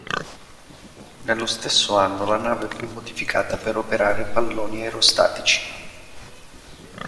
Nello stesso anno la nave fu modificata per operare palloni aerostatici.